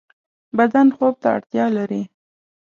بدن خوب ته اړتیا لری